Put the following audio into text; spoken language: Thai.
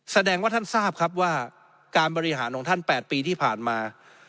แสดงว่าท่านทราบครับว่าการบริหารของท่าน๘ปีที่ผ่านมา